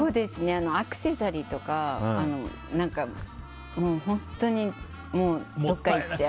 アクセサリーとか本当にどっかいっちゃう。